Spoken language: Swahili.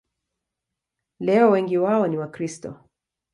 Leo wengi wao ni Wakristo.